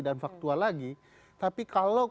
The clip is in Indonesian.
dan faktual lagi tapi kalau